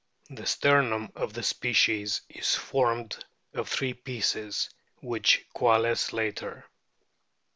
The sternum of the species is formed of three pieces, which coalesce later.